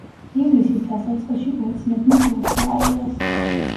ივლისის დასაწყისში ბერძნებმა ბურსა აიღეს.